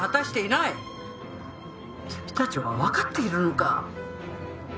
「君たちはわかっているのか？」